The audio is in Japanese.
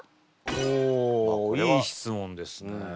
おいい質問ですね。